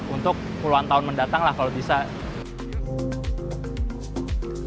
untuk puluhan tahun mendatang lah kalau bisa